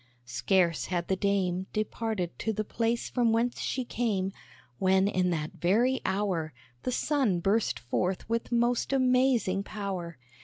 Scarce had the Dame Departed to the place from whence she came, When in that very hour, The sun burst forth with most amazing power.